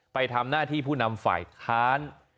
ไปทำหน้าที่ผู้นำฝ่ายค้าน